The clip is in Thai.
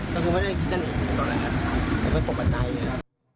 แต่ก็ไม่ได้คิดจะหนีเลยตอนแรกไม่ตกใจเลย